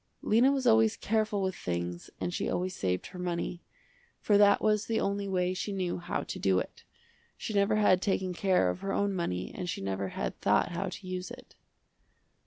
Lena was always careful with things and she always saved her money, for that was the only way she knew how to do it. She never had taken care of her own money and she never had thought how to use it.